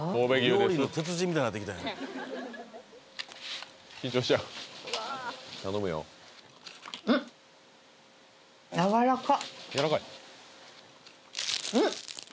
「料理の鉄人」みたいになってきたやん緊張してはる頼むよんっ！やわらかっやらかいんっ！